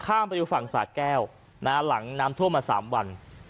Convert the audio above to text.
ข้ามไปอยู่ฝั่งสาแก้วน่าหลังนำทั่วมาสามวัน